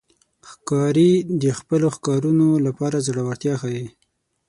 ښکاري د خپلو ښکارونو لپاره زړورتیا ښيي.